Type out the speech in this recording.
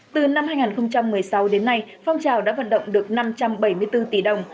từ năm hai nghìn một mươi sáu đến nay phong trào đã vận động được năm trăm bảy mươi bốn tỷ đồng